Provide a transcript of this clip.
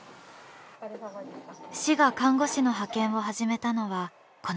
市が看護師の派遣を始めたのはこの年。